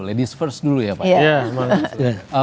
ladies first dulu ya pak